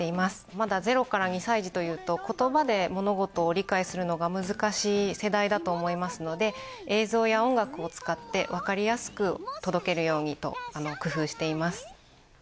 まだ０から２歳児というと言葉で物事を理解するのが難しい世代だと思いますので映像や音楽を使ってわかりやすく届けるようにと工夫しています。